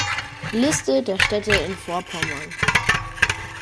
Liste der Städte in Vorpommern